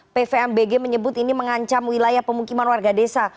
pvmbg menyebut ini mengancam wilayah pemukiman warga desa